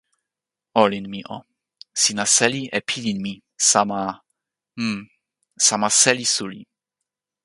olin mi o, sina seli e pilin mi, sama, n, sama seli suli.